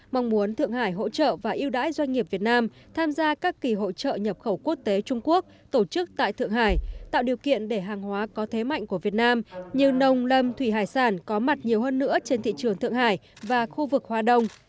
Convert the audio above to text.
mong muốn thượng hải hỗ trợ và yêu đãi doanh nghiệp việt nam tham gia các kỳ hội trợ nhập khẩu quốc tế trung quốc tổ chức tại thượng hải tạo điều kiện để hàng hóa có thế mạnh của việt nam như nông lâm thủy hải sản có mặt nhiều hơn nữa trên thị trường thượng hải và khu vực hoa đông